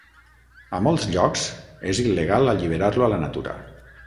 A molts llocs és il·legal alliberar-lo a la natura.